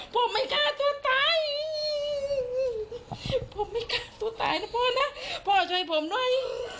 ผมไม่ฆ่าตัวตายนะพ่อนะพ่อช่วยผมด้วย